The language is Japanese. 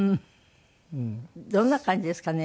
どんな感じですかね？